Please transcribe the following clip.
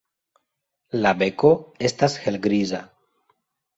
La beko estas helgriza.